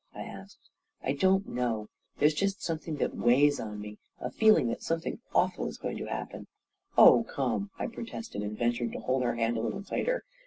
I asked. " I don't know. There's just something that weighs on me. A feeling that something awful is going to happen." " Oh, come I " I protested, and ventured to hold her hand a little tighter.